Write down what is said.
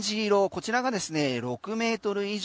こちらがですね６ｍ以上。